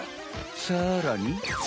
さらに。